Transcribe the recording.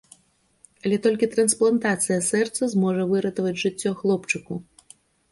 Але толькі трансплантацыя сэрца зможа выратаваць жыццё хлопчыку.